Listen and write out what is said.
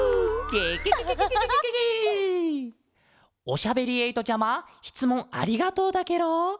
おしゃべりえいとちゃましつもんありがとうだケロ。